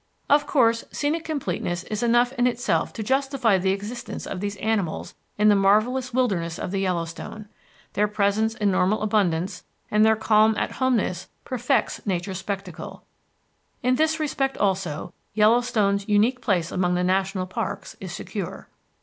Of course scenic completeness is enough in itself to justify the existence of these animals in the marvellous wilderness of the Yellowstone. Their presence in normal abundance and their calm at homeness perfects nature's spectacle. In this respect, also, Yellowstone's unique place among the national parks is secure.